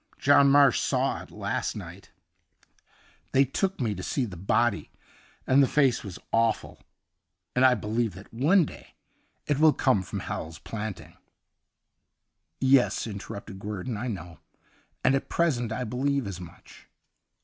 John Marsh saw it last night — they took me to see the body, and the face was awful ; and I believe that one day it will come from Hal's Plant ing '' Yes,' interrupted Guerdon, ' I know. And at present I believe as much.